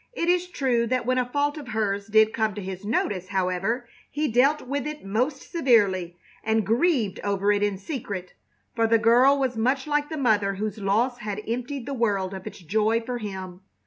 It is true that when a fault of hers did come to his notice, however, he dealt with it most severely, and grieved over it in secret, for the girl was much like the mother whose loss had emptied the world of its joy for him.